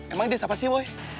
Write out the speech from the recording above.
emang dia siapa sih boy